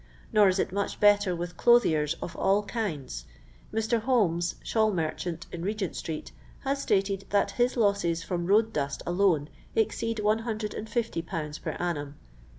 Nor is it much better with clothiers of all kinds :— Mr. Holmes, shawl merchant, in Regent street, has stated that his losses from road dust alone exceed 150/. per annum."